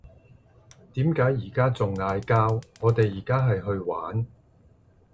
點解依家仲嗌交？我哋依家係去玩